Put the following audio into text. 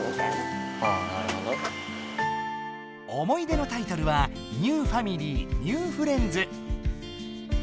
思い出のタイトルは「ニューファミリーニューフレンズ」。